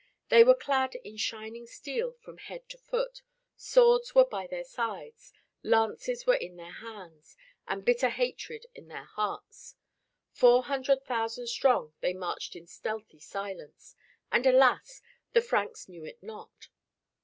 They were clad in shining steel from head to foot, swords were by their sides, lances were in their hands, and bitter hatred in their hearts. Four hundred thousand strong they marched in stealthy silence. And, alas! the Franks knew it not.